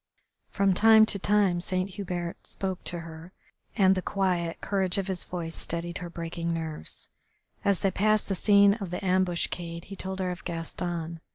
From time to time Saint Hubert spoke to her, and the quiet courage of his voice steadied her breaking nerves. As they passed the scene of the ambuscade he told her of Gaston.